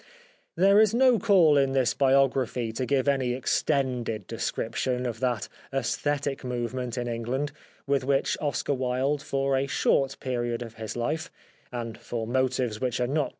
There is no call in this biography to give any extended description of that aesthetic movement in England with which Oscar Wilde for a short period of his life, and for motives which are not quite clear to us, associated himself.